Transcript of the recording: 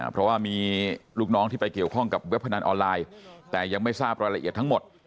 เพราะว่ามีลูกน้องที่ไปเกี่ยวข้องกับเว็บพนันออนไลน์แต่ยังไม่ทราบรายละเอียดทั้งหมด